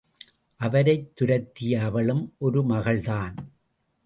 அவரைத் துரத்திய அவளும் ஒரு மகள் தான்.